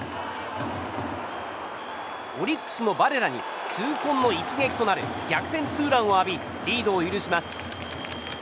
オリックスのバレラに痛恨の一撃となる逆転ツーランを浴びリードを許します。